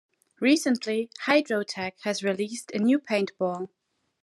Recently, HydroTec has released a new paintball.